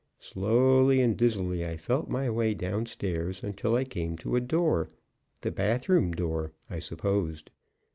Slowly and dizzily I felt my way down stairs until I came to a door the bath room door, I supposed.